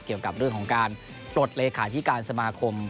เกี่ยวกับเรื่องของการปลดเลขาธิการสมาคม